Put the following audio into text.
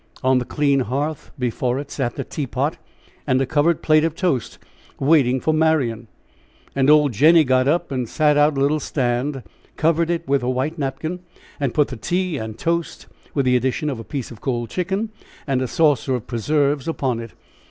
On the clean hearth before it sat the tea pot and a covered plate of toast waiting for Marian. And old Jenny got up and sat out a little stand, covered it with a white napkin, and put the tea and toast, with the addition of a piece of cold chicken and a saucer of preserves, upon it.